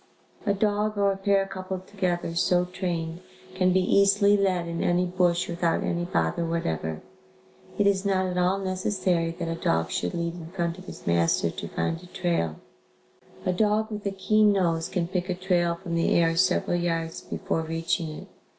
A dog or a pair coupled together, so trained, can be easily led in any bush without any bother whatever. It is not at all necessary that a dog should lead in front of his master to find a trail. A dog with a keen nose can pick a trail from the air several yards before reaching it.